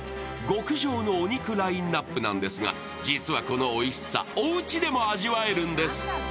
極上のお肉ラインナップなんですが、実はこのおいしさ、おうちでも味わえるんです。